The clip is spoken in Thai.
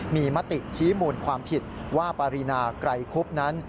มีมติชี้มูลความผิดว่าปารีนาไกรคุบนั้น